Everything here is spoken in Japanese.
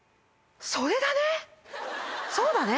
そうだね。